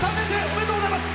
おめでとうございます。